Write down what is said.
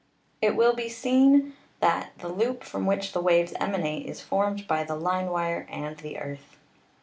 It will be seen that the loop from which the waves emanate is formed by the line wire and the earth.